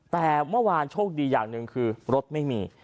แต่เมื่อวานโชคดีอย่างหนึ่งคือรถไม่มี